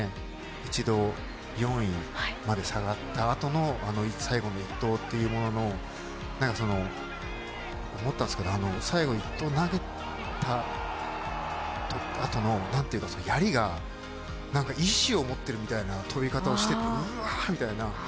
１度、４位まで下がったあとの最後の一投というものの、思ったんですけど、最後１投、投げたあとのやりが意思を持っているみたいな飛び方をしていて、うわ、みたいな。